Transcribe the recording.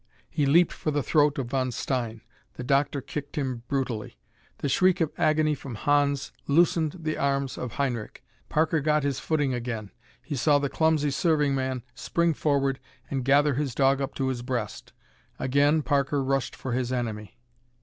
He leaped for the throat of Von Stein. The doctor kicked him brutally. The shriek of agony from Hans loosened the arms of Heinrich. Parker got his footing again. He saw the clumsy serving man spring forward and gather his dog up to his breast. Again Parker rushed for his enemy.